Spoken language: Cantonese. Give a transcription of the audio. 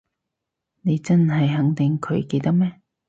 你真係肯定佢記得咩？